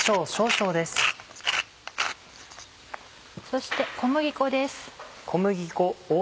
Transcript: そして小麦粉です。